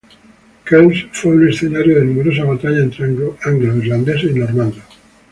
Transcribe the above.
Kells fue escenario de numerosas batallas entre anglos, irlandeses y normandos.